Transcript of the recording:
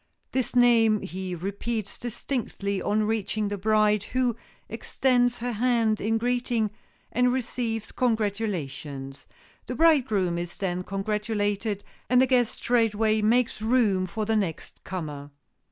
This name he repeats distinctly on reaching the bride, who extends her hand in greeting, and receives congratulations. The bridegroom is then congratulated, and the guest straightway makes room for the next comer.